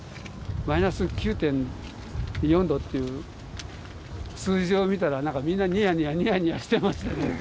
マイナス９．４度っていう数字を見たらみんなニヤニヤニヤニヤしてましたね。